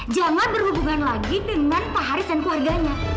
jangan berhubungan lagi dengan pak haris dan keluarganya